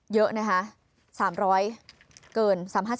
เยอะนะคะ๓๐๐เกิน๓๕๐